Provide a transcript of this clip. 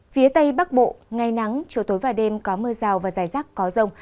phía tây bắc bộ ngày nắng chiều tối và đêm có mưa rào và rải rác có rông